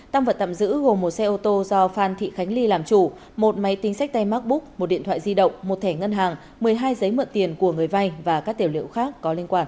tăng vật tạm giữ gồm một xe ô tô do phan thị khánh ly làm chủ một máy tính sách tay macbook một điện thoại di động một thẻ ngân hàng một mươi hai giấy mượn tiền của người vay và các tiểu liệu khác có liên quan